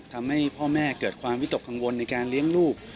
ทำให้พ่อแม่เกิดความวิตกกังวลในการเลี้ยงลูก